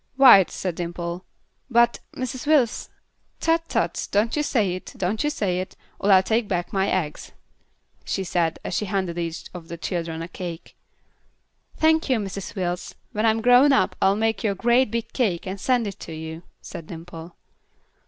"White," said Dimple. "But Mrs. Wills " "Tut! Tut! Don't you say it; don't you say it, or I'll take back my eggs," she said, as she handed each of the children a cake. "Thank you, Mrs. Wills. When I'm grown up I'll make you a great big cake and send it to you," said Dimple.